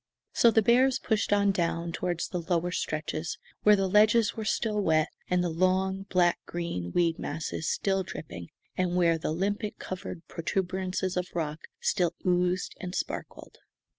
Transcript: So the bears pushed on down toward the lower stretches, where the ledges were still wet, and the long, black green weed masses still dripping, and where the limpet covered protuberances of rock still oozed and sparkled.